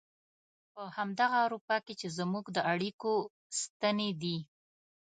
په همدغه اروپا کې چې زموږ د اړيکو ستنې دي.